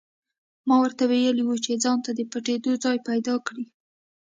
ما ورته ویلي وو چې ځانته د پټېدو ځای پیدا کړي